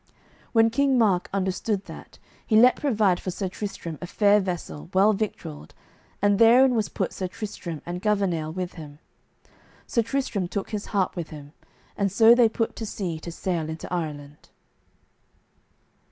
When King Mark understood that, he let provide for Sir Tristram a fair vessel, well victualled, and therein was put Sir Tristram and Gouvernail, with him. Sir Tristram took his harp with him, and so they put to sea to sail into Ireland.